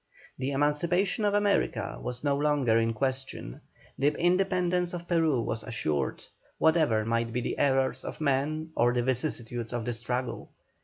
The emancipation of America was no longer in question, the independence of Peru was assured, whatever might be the errors of men or the vicissitudes of the struggle.